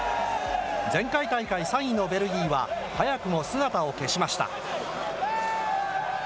前回大会３位のベルギーは早くも姿を消しました。